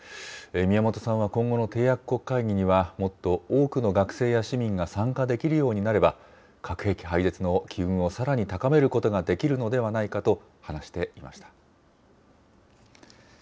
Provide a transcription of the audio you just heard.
宮本さんは今後の締約国会議にはもっと多くの学生や市民が参加できるようになれば、核兵器廃絶の機運をさらに高めることができるのではないかと話していました。